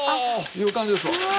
いう感じですわ。